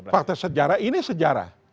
fakta sejarah ini sejarah